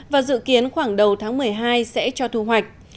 và dự kiến khoảng đầu tháng một mươi hai sẽ cho thu hoạch